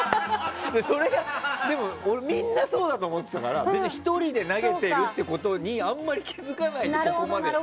俺、みんなそうだと思ってたから別に１人で投げてることにあんまり気づかないで。